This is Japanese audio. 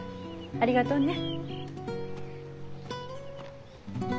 ありがとうね。